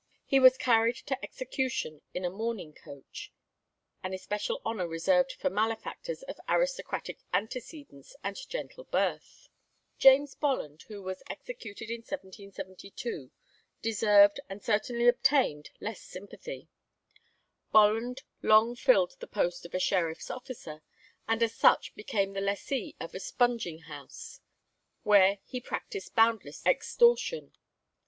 He was carried to execution in a mourning coach," an especial honour reserved for malefactors of aristocratic antecedents and gentle birth. James Bolland, who was executed in 1772, deserved and certainly obtained less sympathy. Bolland long filled the post of a sheriff's officer, and as such became the lessee of a spunging house, where he practised boundless extortion.